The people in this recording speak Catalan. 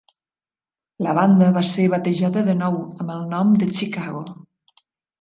La banda va ser batejada de nou amb el nom de Chicago.